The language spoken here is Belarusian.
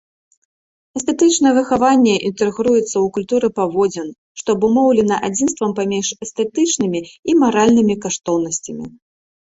Эстэтычнае выхаванне інтэгруецца ў культуру паводзін, што абумоўлена адзінствам паміж эстэтычнымі і маральнымі каштоўнасцямі.